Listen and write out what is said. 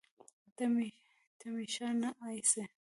ته مې ښه نه ايسې